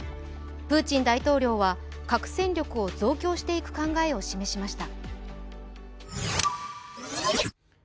プーチン大統領は、核戦力を増強していく考えを示しました。